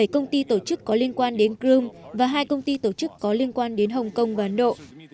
bảy công ty tổ chức có liên quan đến crimea và hai công ty tổ chức có liên quan đến hồng kông và ấn độ